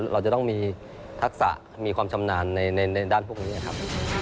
เราจะต้องมีทักษะมีความชำนาญในด้านพวกนี้ครับ